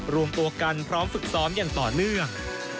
รวมตัวกันพร้อมฝึกซ้อมอย่างต่อเนื่อง